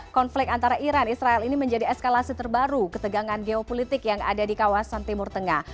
konflik antara iran israel ini menjadi eskalasi terbaru ketegangan geopolitik yang ada di kawasan timur tengah